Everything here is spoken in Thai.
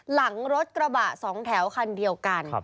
หลังรถกระบะ๒แถวคันเดียวกัน